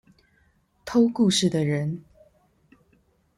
偷故事的人